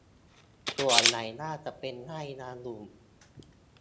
ส่วนใหญ่น่าจะเป็นไร่องุ่น